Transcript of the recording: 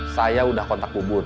saya udah kontak bu bun